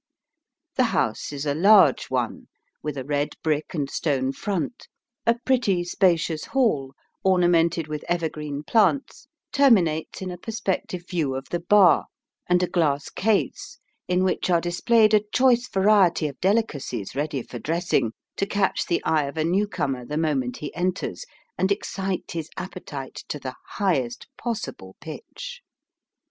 The house is a large one, with a red brick and stone front ; a pretty spacious hall, ornamented with evergreen plants, terminates in a perspective view of the bar, and a glass case, in which are displayed a choice variety of delicacies ready for dressing, to catch the eye of a new comer the moment he enters, and excite his appetite to the highest possible pitch.